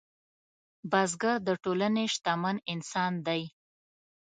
بزګر د ټولنې شتمن انسان دی